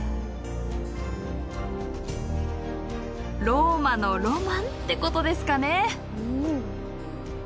ローマのロマンってことですかね。